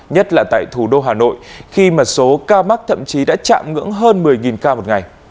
nhất là tại thủ đô hà nội khi mà số ca mắc thậm chí đã chạm ngưỡng hơn một mươi ca một ngày